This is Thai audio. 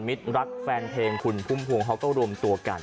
รักแฟนเพลงคุณพุ่มพวงเขาก็รวมตัวกัน